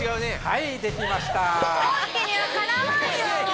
はいできました。